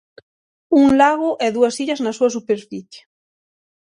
Un lago e dúas illas na súa superficie.